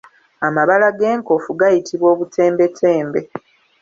Amabala g’enkofu gayitibwa obutembetembe.